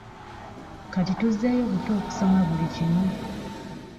Kati tuzzeeyo buto okusoma buli kimu.